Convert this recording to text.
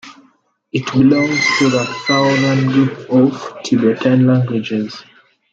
It belongs to the southern group of Tibetan languages.